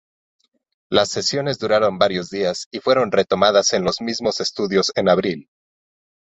Las sesiones duraron varios días y fueron retomadas en los mismos estudios en abril.